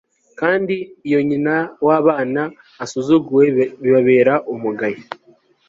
kandi iyo nyina w'abana asuzuguwe, bibabera umugayo